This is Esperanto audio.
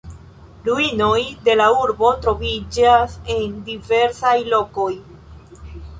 Ruinoj de la urbo troviĝas en diversaj lokoj.